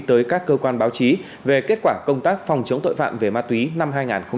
tới các cơ quan báo chí về kết quả công tác phòng chống tội phạm về ma túy năm hai nghìn hai mươi ba